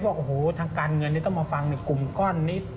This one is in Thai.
ว่าทางการเงินต้องมาฟังกลุ่มก้อนนี้